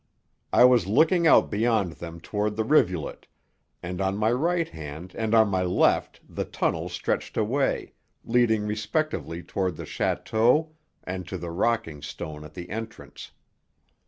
I was looking out beyond them toward the rivulet, and on my right hand and on my left the tunnel stretched away, leading respectively toward the château and to the rocking stone at the entrance.